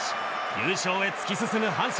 優勝へ突き進む阪神。